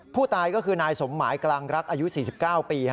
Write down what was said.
ผู้ตายก็คือนายสมหมายกลางรักอายุ๔๙ปี